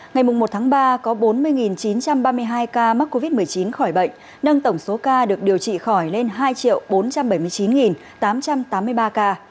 ngày một ba có bốn mươi chín trăm ba mươi hai ca mắc covid một mươi chín khỏi bệnh nâng tổng số ca được điều trị khỏi lên hai bốn trăm bảy mươi chín tám trăm tám mươi ba ca